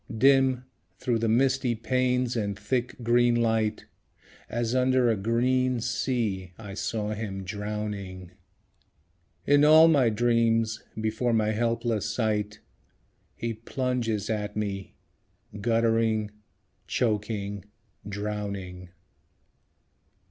Dim, through the misty panes and thick green light, As under a green sea, I saw him drowning. In all my dreams, before my helpless sight, He plunges at me, guttering, choking, drowning.